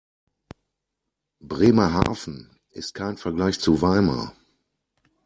Bremerhaven ist kein Vergleich zu Weimar